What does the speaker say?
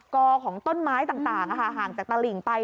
อของต้นไม้ต่างห่างจากตลิ่งไป